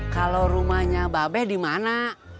kalau rumahnya babe di mana